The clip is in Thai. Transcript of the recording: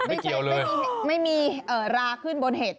ไม่มีไม่มีราขึ้นบนเห็ด